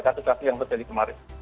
kasus kasus yang terjadi kemarin